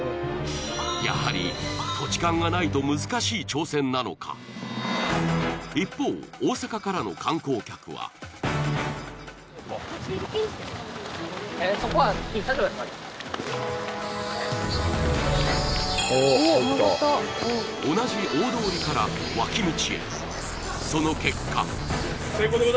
やはり土地勘がないと難しい挑戦なのか一方大阪からの観光客は立ち入り禁止ってそこは同じ大通りから脇道へその結果よーしやった！